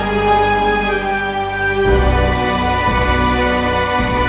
mama kangen banget sama kamu